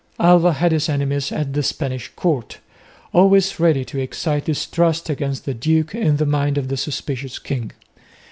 Alva had his enemies at the Spanish court, always ready to excite distrust against the duke in the mind of the suspicious king.